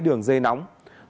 đường dây nóng sáu mươi chín